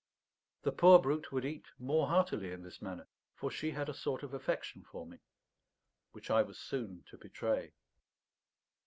The poor brute would eat more heartily in this manner; for she had a sort of affection for me, which I was soon to betray.